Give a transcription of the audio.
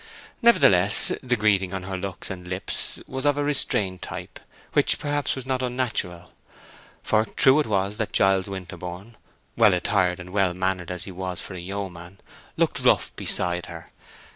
Nevertheless, the greeting on her looks and lips was of a restrained type, which perhaps was not unnatural. For true it was that Giles Winterborne, well attired and well mannered as he was for a yeoman, looked rough beside her.